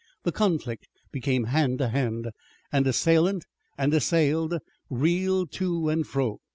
The conflict became hand to hand, and assailant and assailed reeled to and fro.